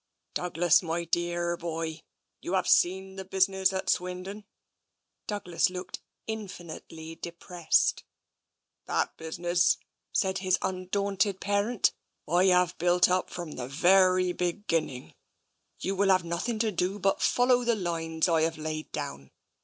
Douglas, my dearr boy, you have seen the business at Swindon?" Douglas looked infinitely depressed. " That business," said his undaunted parent, " I have built up from the very beginning. You will have noth ing to do but follow the lines I have laid down.